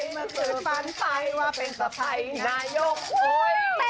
เมื่อคืนฝันไปว่าเป็นสะพัยนายก